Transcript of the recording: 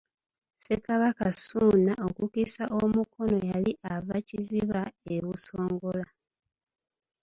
Ssekabaka Ssuuna okukisa omukono yali ava Kiziba e Busongola .